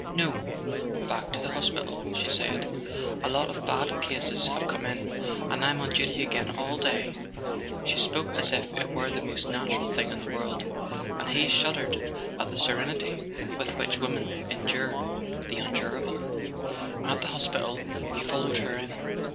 "No—back to the hospital," she said. "A lot of bad cases have come in, and I'm on duty again all day." She spoke as if it were the most natural thing in the world; and he shuddered at the serenity with which women endure the unendurable. A SON AT THE FRONT At the hospital he followed her in.